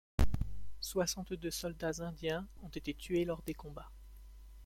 Soixante-deux soldats indiens ont été tués lors des combats.